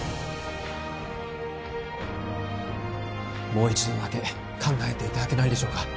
もう一度だけ考えていただけないでしょうか